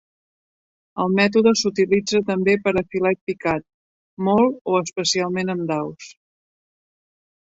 El mètode s'utilitza també per a filet picat, molt o especialment en daus.